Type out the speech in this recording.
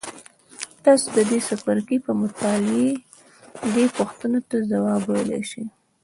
تاسې د دې څپرکي په مطالعې دې پوښتنو ته ځواب ویلای شئ.